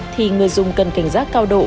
thì người dùng cần cảnh giác cao độ